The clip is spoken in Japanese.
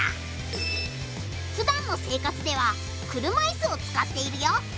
ふだんの生活では車いすを使っているよ。